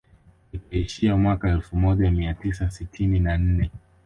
Ikaishia mwaka elfu moja mia tisa sitini na nne